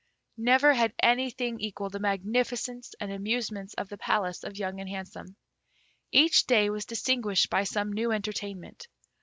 Never had anything equalled the magnificence and amusements of the palace of Young and Handsome. Each day was distinguished by some new entertainment.